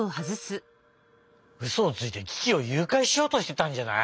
うそをついてキキをゆうかいしようとしてたんじゃない？